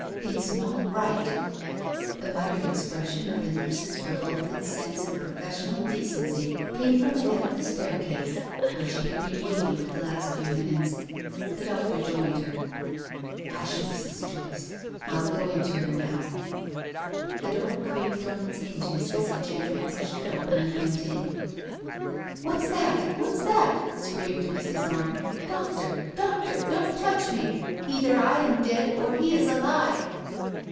It's not right !" The muttered expression of the nurse's revolted sense of professional decency came from the head of the stair case, where she had been waiting for the last few minutes. The doctor joined her. "Hush, Mrs. Joyce ! I'll go to her now." The door creaked on its hinges as he gently pushed it open and went in. "What's that? What's that?" screamed Mrs. Arne. "Doctor! Doctor! Don't touch me! Either I am dead or he is alive